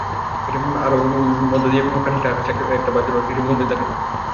তাহার মধ্যদিয়া খানিকটা আকাশ, একটা বাঁশঝাড় ও একটি শিবমন্দির দেখা যায়।